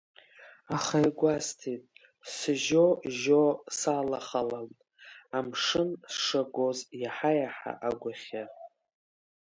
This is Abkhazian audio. Аха игәасҭеит, сжьо-жьо салахалан, амшын сшагоз иаҳа-иаҳа агәахьы.